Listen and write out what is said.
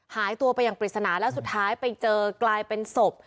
หายตัวไปอย่างปริศนาแล้วสุดท้ายไปเจอกลายเป็นศพ